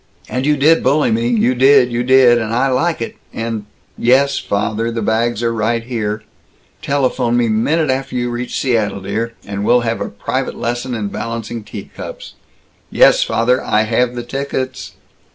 And you did bully me, you did, you did, and I like it, and Yes, father, the bags are right here. Telephone me, minute you reach Seattle, dear, and we'll have a private lesson in balancing tea cups Yes, father, I have the tickets.